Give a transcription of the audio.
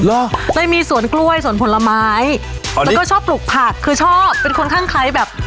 เหรอได้มีสวนกล้วยสวนผลไม้แล้วก็ชอบปลูกผักคือชอบเป็นคนข้างคล้ายแบบ